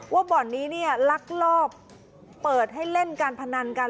บ่อนนี้เนี่ยลักลอบเปิดให้เล่นการพนันกัน